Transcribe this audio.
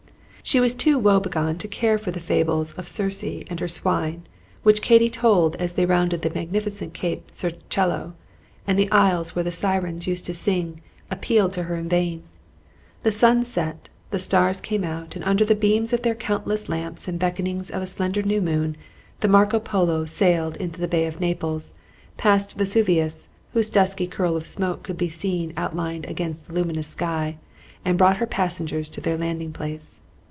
She was too woe begone to care for the fables of Circe and her swine which Katy told as they rounded the magnificent Cape Circello, and the isles where the sirens used to sing appealed to her in vain. The sun set, the stars came out; and under the beams of their countless lamps and the beckonings of a slender new moon, the "Marco Polo" sailed into the Bay of Naples, past Vesuvius, whose dusky curl of smoke could be seen outlined against the luminous sky, and brought her passengers to their landing place.